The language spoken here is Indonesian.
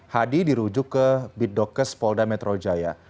hadi dirujuk ke bidokus spolda metro jaya